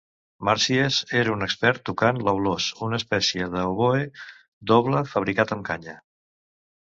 Màrsies era un expert tocant l'aulos, una espècie d'oboè doble fabricat amb canya.